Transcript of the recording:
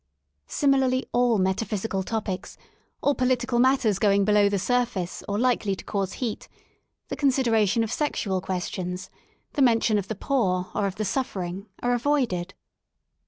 Similarly all metaphysical topics, all political matters going below the surface or likely to cause heat, the consideration of sexual questions, the mention of the poor or the suffering, are avoided.